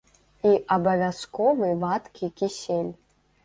І абавязковы вадкі кісель.